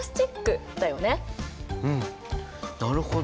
うんなるほど。